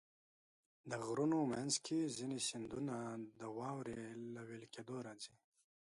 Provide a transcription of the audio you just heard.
د غرونو منځ کې ځینې سیندونه د واورې له وېلې کېدو راځي.